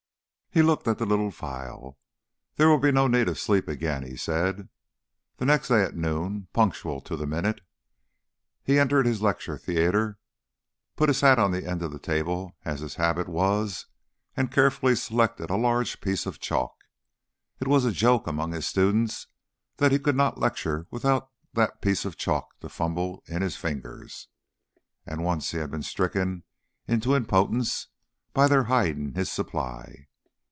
He looked at the little phial. "There will be no need of sleep again," he said. The next day at noon, punctual to the minute, he entered his lecture theatre, put his hat on the end of the table as his habit was, and carefully selected a large piece of chalk. It was a joke among his students that he could not lecture without that piece of chalk to fumble in his fingers, and once he had been stricken to impotence by their hiding his supply.